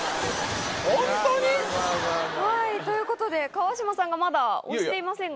ホントに⁉うわうわ。ということで川島さんがまだ押していませんが。